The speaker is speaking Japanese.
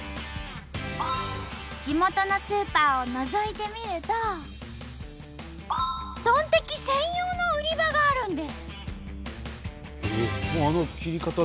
地元のスーパーをのぞいてみるとトンテキ専用の売り場があるんです。